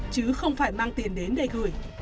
chứ không phải mang tiền đến để gửi